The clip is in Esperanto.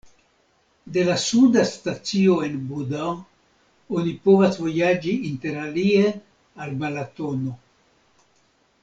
De la suda stacio en Buda oni povas vojaĝi interalie al Balatono.